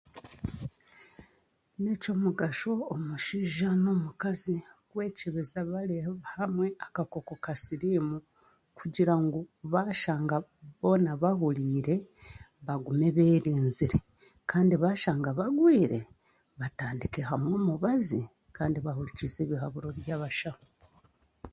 N'ekyomugasho omushaija n'omukazi kwekyebeza bari hamwe akakooko ka siriimu, kugire ngu baashanga boona bahuuriire bagume beerinzire kandi baashanga bagwire batandike hamwe omubazi kandi bahurikirize ebihaburo by'abashaho.